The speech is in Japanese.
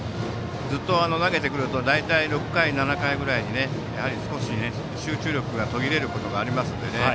ずっと投げていると大体、６回か７回ぐらいにやはり少し集中力が途切れることがありますので。